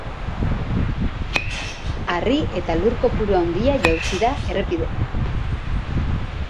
Harri eta lur kopuru handia jausi da errepidera.